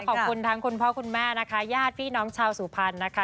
ขอบคุณทั้งคุณพ่อคุณแม่นะคะญาติพี่น้องชาวสุพรรณนะคะ